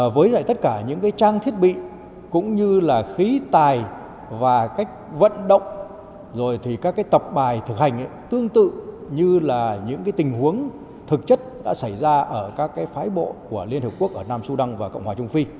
với lại tất cả những trang thiết bị cũng như là khí tài và cách vận động rồi thì các tập bài thực hành tương tự như là những tình huống thực chất đã xảy ra ở các phái bộ của liên hợp quốc ở nam su đăng và cộng hòa trung phi